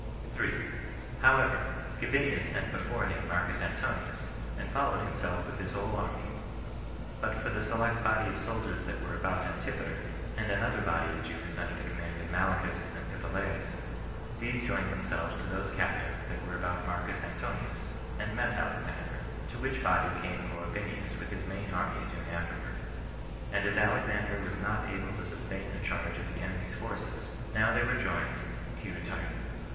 3. However, Gabinius sent before him Marcus Antonius, and followed himself with his whole army; but for the select body of soldiers that were about Antipater, and another body of Jews under the command of Malichus and Pitholaus, these joined themselves to those captains that were about Marcus Antonius, and met Alexander; to which body came Gabinius with his main army soon afterward; and as Alexander was not able to sustain the charge of the enemies' forces, now they were joined, he retired.